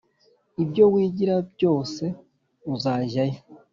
ibyo wigira byose uzajyayo